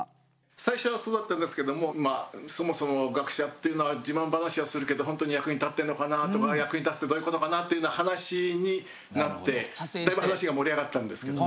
最初はそうだったんですけどもそもそも学者っていうのは自慢話はするけど本当に役に立ってんのかなとか役に立つってどういうことかなっていうような話になってだいぶ話が盛り上がったんですけど。